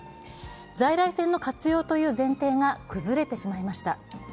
在来線の活用という前提が崩れてしまいました。